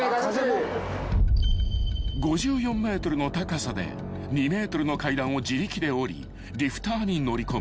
［５４ｍの高さで２ｍの階段を自力で下りリフターに乗り込む］